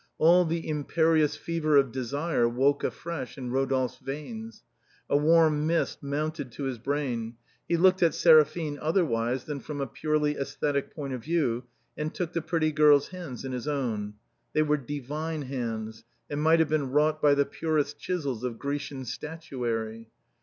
All the imperious fever of desire woke afresh in Eodolphe's veins. A warm mist mounted to his brain. He looked at Seraphine otherwise than from a purely sesthetical point of view and took the pretty girl's hands in his own. They were divine hands, and might have been wrought by the purest chisels of Grecian statuary.